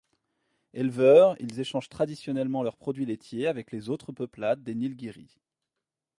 Éleveurs, ils échangent traditionnellement leurs produits laitiers avec les autres peuplades des Nilgiris.